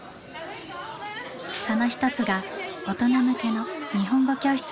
その一つが大人向けの日本語教室です。